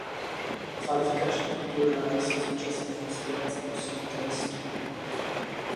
Kvalifikačního turnaje se zúčastnilo sto dvacet osm tenistů.